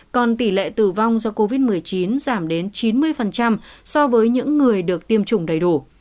còn tỷ lệ tử vong do covid một mươi chín giảm đến chín mươi so với những người được tiêm chủng đầy đủ